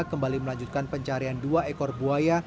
kembali melanjutkan pencarian dua ekor buaya